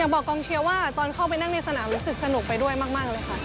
บอกกองเชียร์ว่าตอนเข้าไปนั่งในสนามรู้สึกสนุกไปด้วยมากเลยค่ะ